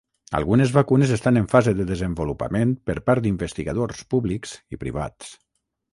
Algunes vacunes estan en fase de desenvolupament per part d'investigadors públics i privats.